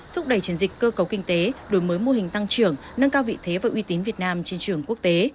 thúc đẩy chuyển dịch cơ cấu kinh tế đổi mới mô hình tăng trưởng nâng cao vị thế và uy tín việt nam trên trường quốc tế